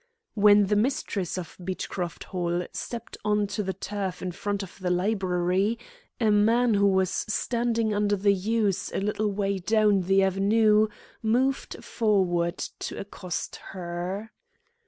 When the mistress of Beechcroft Hall stepped on to the turf in front of the library, a man who was standing under the yews a little way down the avenue moved forward to accost her.